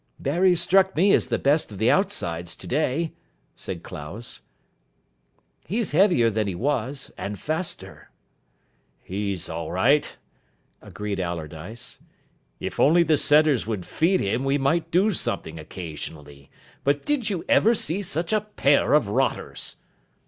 "Barry struck me as the best of the outsides today," said Clowes. "He's heavier than he was, and faster." "He's all right," agreed Allardyce. "If only the centres would feed him, we might do something occasionally. But did you ever see such a pair of rotters?"